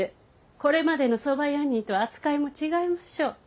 これまでの側用人とは扱いも違いましょう。